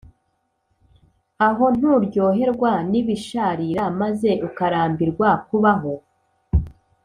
ahonturyoherwa nibisharira maze ukarambirwa kubaho